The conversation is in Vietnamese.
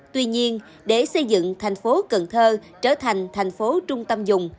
tuy nhiên để xây dựng thành phố cần thơ trở thành thành phố trung tâm dùng